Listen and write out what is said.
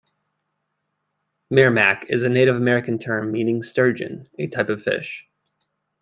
"Merrimack" is a Native American term meaning sturgeon, a type of fish.